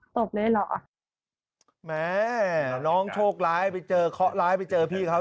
ตบเลยเหรอแม่น้องโชคร้ายไปเจอเคาะร้ายไปเจอพี่เขา